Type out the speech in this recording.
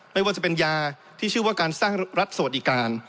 ไม่ว่าจะเป็นยาที่ชื่อว่าการสร้างรัฐสวัสดิการ